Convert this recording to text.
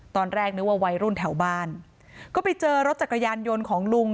ตอนแรกนึกว่าวัยรุ่นแถวบ้านก็ไปเจอรถจักรยานยนต์ของลุง